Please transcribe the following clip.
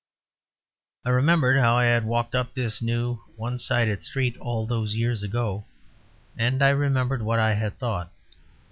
I remembered how I had walked up this new one sided street all those years ago; and I remembered what I had thought.